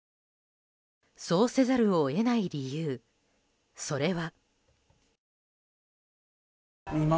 そうせざるを得ない理由それは。